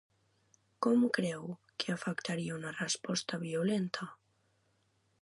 Com creu que afectaria una resposta violenta?